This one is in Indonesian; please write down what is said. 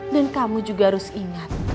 kamu juga harus ingat